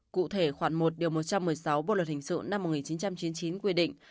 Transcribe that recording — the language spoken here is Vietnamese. cụ thể khoảng một điều một trăm một mươi sáu bộ luật hình sự năm một nghìn chín trăm chín mươi chín quy định